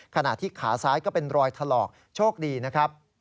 ขณะที่ขาซ้ายก็เป็นรอยถลอกโชคดีนะครับ